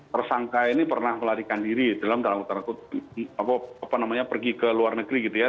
tersangka ini pernah melarikan diri dalam dalam terlaku apa namanya pergi ke luar negeri gitu ya